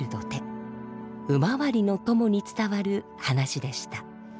「大廻りの塘」に伝わる話でした。